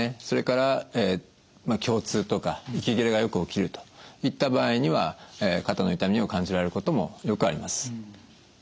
それから胸痛とか息切れがよく起きるといった場合には肩の痛みを感じられることもよくあります。